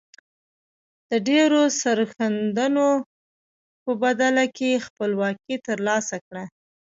د ډیرو سرښندنو په بدله کې خپلواکي تر لاسه کړه.